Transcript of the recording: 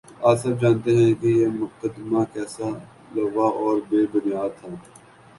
آج سب جانتے ہیں کہ یہ مقدمہ کیسا لغو اور بے بنیادتھا